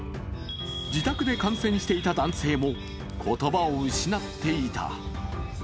自宅で観戦していた男性も言葉を失っていた。